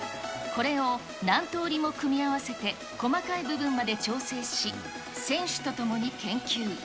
これを何通りも組み合わせて、細かい部分まで調整し、選手と共に研究。